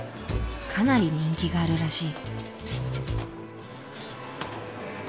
かなり人気があるらしい。